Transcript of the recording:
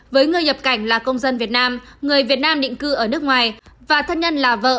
với người nhập cảnh là công dân việt nam người việt nam định cư ở nước ngoài và thân nhân là vợ